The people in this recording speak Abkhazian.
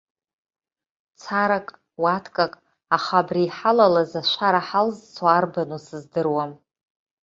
Царак, уаткак, аха абри иҳалалаз ашәара ҳалзцо арбану сыздыруам.